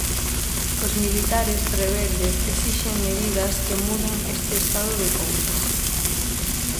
Os militares rebeldes esixen medidas que muden este estado de cousas.